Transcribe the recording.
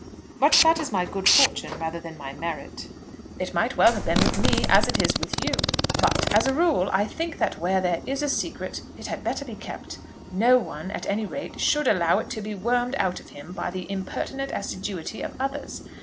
But that is my good fortune rather than my merit. It might well have been with me as it is with you; but, as a rule, I think that where there is a secret it had better be kept. No one, at any rate, should allow it to be wormed out of him by the impertinent assiduity of others.